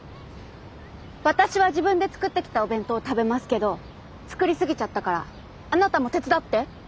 私は自分で作ってきたお弁当を食べますけど作り過ぎちゃったからあなたも手伝って。